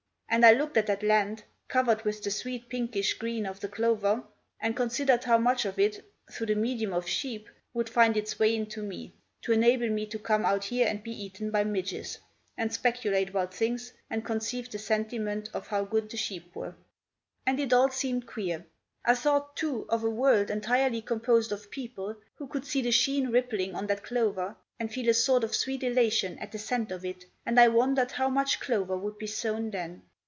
And I looked at that land, covered with the sweet pinkish green of the clover, and considered how much of it, through the medium of sheep, would find its way into me, to enable me to come out here and be eaten by midges, and speculate about things, and conceive the sentiment of how good the sheep were. And it all seemed queer. I thought, too, of a world entirely composed of people who could see the sheen rippling on that clover, and feel a sort of sweet elation at the scent of it, and I wondered how much clover would be sown then?